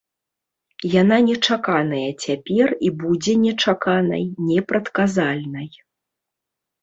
Яна нечаканая цяпер і будзе нечаканай, непрадказальнай.